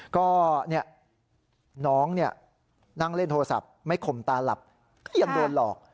ก็น้องนั่งเล่นโทรศัพท์ไม่ข่มตาหลับก็ยังโดนหลอก